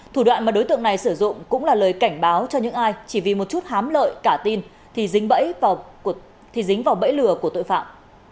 thủ đoạn mà đối tượng này sử dụng cũng là lời cảnh báo cho những ai chỉ vì một chút hám lợi cả tin thì dính bẫy dính vào bẫy lừa của tội phạm